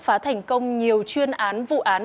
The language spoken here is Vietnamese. phá thành công nhiều chuyên án vụ án